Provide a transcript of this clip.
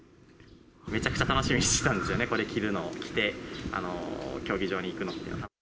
めちゃくちゃ楽しみにしてたんですよね、これを着て、競技場に行くのを。